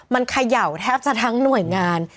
มันเขย่าแทบจะทั้งหน่วยงาน